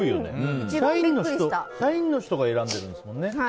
社員の人が選んでいるんですもんね。